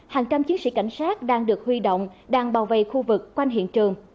hàng trăm chiến sĩ cảnh sát đang được huy động đang bảo vệ khu vực quanh hiện trường